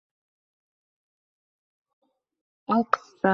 Alkissa, oldindan to'lang va sizni yutmoqchi bo'lganlarni mag'lub qiling